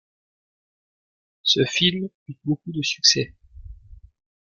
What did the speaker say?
Ce film eut beaucoup de succès.